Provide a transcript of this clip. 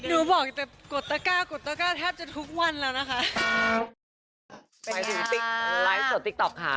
หนูบอกแต่กดตะกากกดตะกากแทบจะทุกวันลาค่ะ